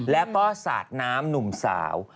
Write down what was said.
แล้วก็สาดน้ำหนุ่มสาว